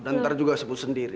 dan ntar juga sembuh sendiri